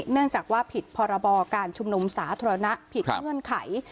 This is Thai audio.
เนื่องจากว่าผิดพรบการชุมนุมสาธารณะผิดเงื่อนไข